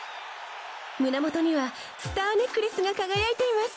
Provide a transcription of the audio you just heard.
胸もとにはスターネックレスが輝いています。